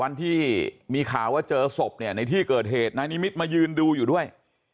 วันที่มีข่าวว่าเจอศพเนี่ยในที่เกิดเหตุนายนิมิตรมายืนดูอยู่ด้วย